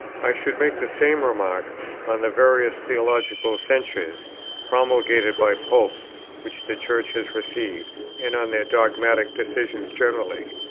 I should make the same remark on the various theological censures, promulgated by Popes, which the Church has received, and on their dogmatic decisions generally.